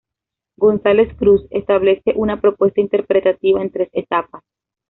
González-Cruz establece una propuesta interpretativa en tres etapas.